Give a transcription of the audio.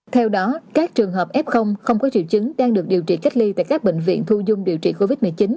theo đó các trường hợp f không có triệu chứng đang được điều trị cách ly tại các bệnh viện thu dung điều trị covid một mươi chín